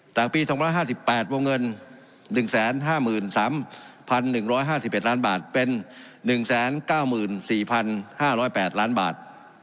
ปี๒๕๘วงเงิน๑๕๓๑๕๑ล้านบาทเป็น๑๙๔๕๐๘ล้านบาท